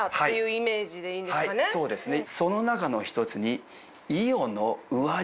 そうですね。